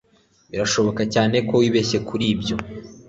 birashoboka cyane ko wibeshye kuri ibyo